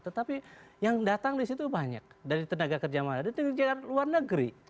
tetapi yang datang disitu banyak dari tenaga kerja luar negeri